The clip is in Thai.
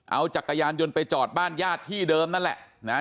เอาจักรยานยนต์ไปจอดบ้านญาติที่เดิมนั่นแหละนะฮะ